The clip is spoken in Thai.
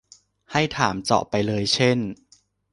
ให้ถามเจาะไปเลยเช่น